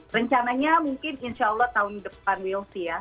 tapi mungkin insya allah tahun depan will sih ya